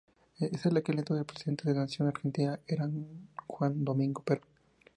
En aquel entonces, el presidente de la Nación Argentina era Juan Domingo Perón.